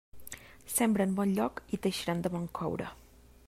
Sembra en bon lloc i t'eixiran de bon coure.